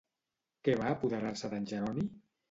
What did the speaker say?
Què va apoderar-se d'en Jeroni?